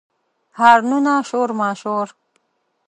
هارنونه، شور ماشور